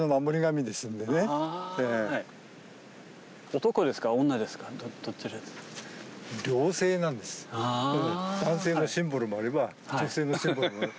男性のシンボルもあれば女性のシンボルも。